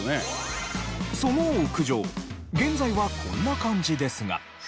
その屋上現在はこんな感じですが。